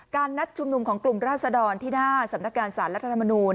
นัดชุมนุมของกลุ่มราศดรที่หน้าสำนักการสารรัฐธรรมนูล